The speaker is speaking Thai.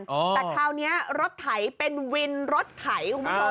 แต่คราวนี้รถไถเป็นวินรถไถ